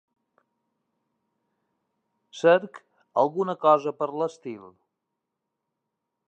Cerc o alguna cosa per l'estil.